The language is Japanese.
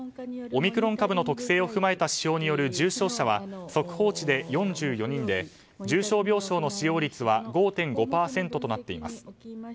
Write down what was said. オミクロン株の特性を踏まえた指標による重症者は速報値で４４人で重症病床の使用率は５．５％となっています。